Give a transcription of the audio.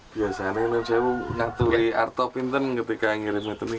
biasanya ini saya nangkuri arto pintar ketika ngirimnya ke sini